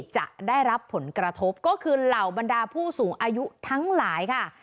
จะได้รับผลกระทบก็คือเหล่าบรรดาผู้สูงอายุทั้งหลายค่ะ